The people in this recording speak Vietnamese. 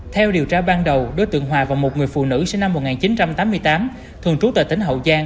theo điều tra ban đầu đối tượng hòa và một người phụ nữ sinh năm một nghìn chín trăm tám mươi tám thường trú tại tỉnh hậu giang